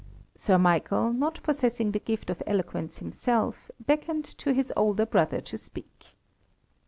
Sir Michael, not possessing the gift of eloquence himself, beckoned to his elder brother to speak.